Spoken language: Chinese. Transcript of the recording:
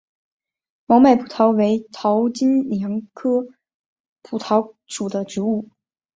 毛脉蒲桃为桃金娘科蒲桃属的植物。